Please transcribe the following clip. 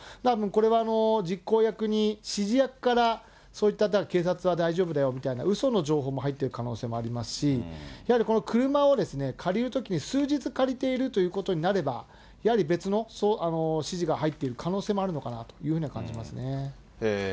これは実行役に、指示役からそういった警察は大丈夫だよみたいなうその情報も入ってる可能性もありますし、やはりこの車を借りるときに、数日借りているということになれば、やはり別の指示が入っている可能性もあるのかなというふうに感じますね。